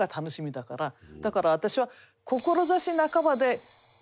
だから私は。